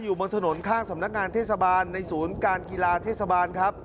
อยู่บนถนนข้างสำนักงานเทศบาลในศูนย์การกีฬาเทศบาลครับ